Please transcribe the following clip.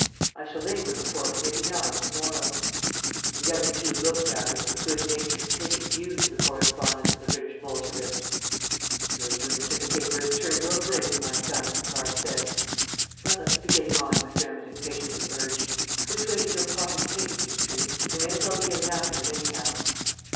I shall lay them before Committee 9 to morrow." The other two looked at him with the good natured pity due to the correspondent of the British Bolshevist. "Your lunatic paper has turned your brain, my son," Garth said. "Well, let's be getting on," Macdermott impatiently urged. "Which way did your plotters take, Beechtree? We may as well be getting after them, anyhow."